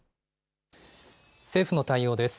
政府の対応です。